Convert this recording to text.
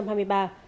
ở các tỉnh nghệ an